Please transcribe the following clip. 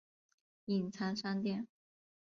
隐藏商店